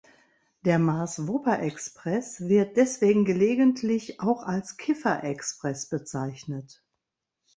Der Maas-Wupper-Express wird deswegen gelegentlich auch als „Kiffer-Express“ bezeichnet.